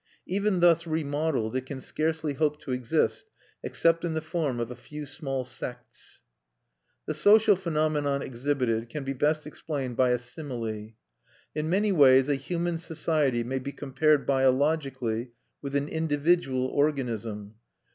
Even thus remodeled it can scarcely hope to exist except in the form of a few small sects. The social phenomenon exhibited can be best explained by a simile. In many ways a human society may be compared biologically with an individual organism.